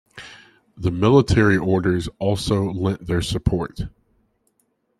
The military orders also lent their support.